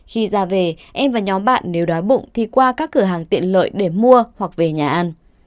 khi ra về em và nhóm bạn nếu đói bụng thì qua các cửa hàng tiện lợi để mua hoặc về nhà ăn